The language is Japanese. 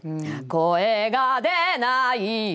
「声が出ないよ。